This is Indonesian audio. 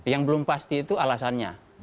yang belum pasti itu alasannya